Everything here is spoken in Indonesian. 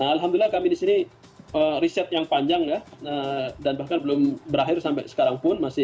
alhamdulillah kami di sini riset yang panjang ya dan bahkan belum berakhir sampai sekarang pun masih